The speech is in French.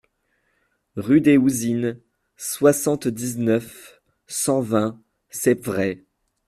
Rue des Ouzines, soixante-dix-neuf, cent vingt Sepvret